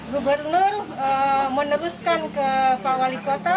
gubernur meneruskan ke pak wali kota